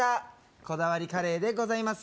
こだわりカレーでございます